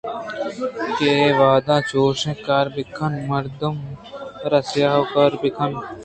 کہ اے وہداں چُشیں کار بہ کن ءُ مردمءَرا سیاہءُ گار بِہ کن